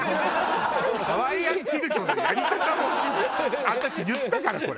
ハワイアンキルトのやり方を私言ったからこれ。